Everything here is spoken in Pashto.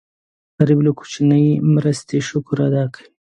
غریب له کوچنۍ مرستې شکر ادا کوي